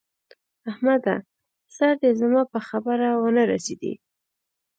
احمده! سر دې زما په خبره و نه رسېدی!